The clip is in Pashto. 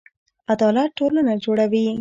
عدالت ټولنه جوړوي